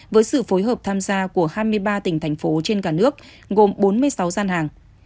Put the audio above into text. với sự phối hợp tham gia của hai mươi ba tỉnh thành phố trên cả nước gồm bốn mươi sáu gian hàng